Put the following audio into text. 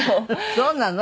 そうなの？